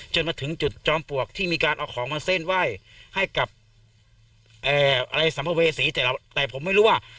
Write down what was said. จนมาถึงจุดจอมปลวกที่มีการเอาของมาเส้นไหว้ให้กับอะไรสัมภเวษีแต่ผมไม่รู้ว่า